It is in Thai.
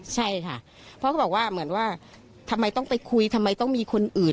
ใช่ค่ะเพราะเขาบอกว่าเหมือนว่าทำไมต้องไปคุยทำไมต้องมีคนอื่น